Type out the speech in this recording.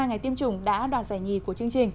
ngày tiêm chủng đã đoạt giải nghị của chương trình